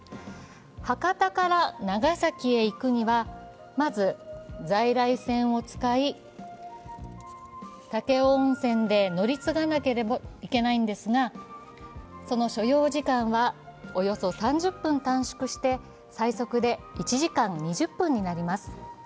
博多から長崎へ行くには、まず在来線を使い、武雄温泉で乗り継がなければならないんですがその所要時間はおよそ３０分短縮して最速で１時間２０分になります。